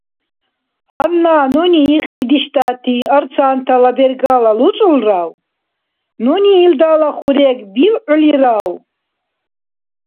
Гьанна нуни ихди диштӀати арцантала бергала луцӀулрав? Нуни илдала хурег билгӀулирав?